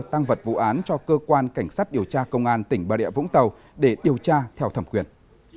tăng vật vụ án cho cơ quan cảnh sát điều tra công an tỉnh bà rịa vũng tàu để điều tra theo thẩm quyền